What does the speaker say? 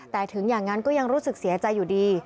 แต่ถึงอย่างนั้นก็ยังรู้สึกเสียใจอยู่ดี